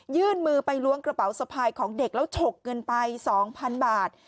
ยื่นมือไปล้วงกระเป๋าสะพายของเด็กแล้วฉกเงินไป๒๐๐๐บาท